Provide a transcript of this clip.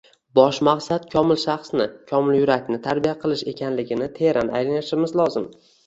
bosh maqsad komil shaxsni, komil yurakni tarbiya qilish ekanligini teran anglashimiz lozim.